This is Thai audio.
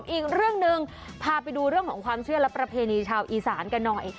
อีกเรื่องหนึ่งพาไปดูเรื่องของความเชื่อและประเพณีชาวอีสานกันหน่อย